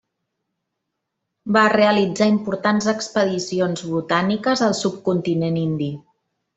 Va realitzar importants expedicions botàniques al subcontinent indi.